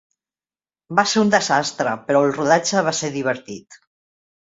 Va ser un desastre, però el rodatge va ser divertit.